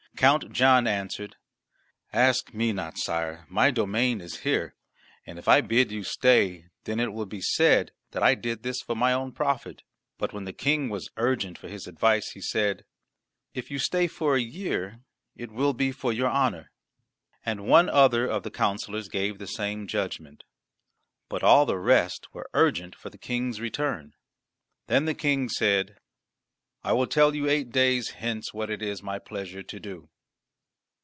Count John answered: "Ask me not, sire; my domain is here, and if I bid you stay, then it will be said that I did this for my own profit." But when the King was urgent for his advice he said, "If you stay for a year it will be for your honour." And one other of the counsellors gave the same judgment; but all the rest were urgent for the King's return. Then the King said, "I will tell you eight days hence what it is my pleasure to do."